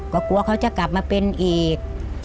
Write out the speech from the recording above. ก็กลัวเขาจะกลับมาเป็นอีก